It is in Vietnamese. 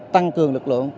tăng cường lực lượng